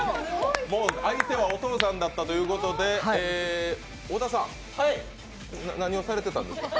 もう相手はお父さんだったということで、小田さん、何をされてたんですか？